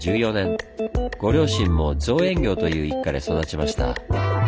ご両親も造園業という一家で育ちました。